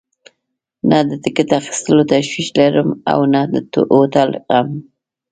نه د ټکټ اخیستلو تشویش لرم او نه د هوټل غم.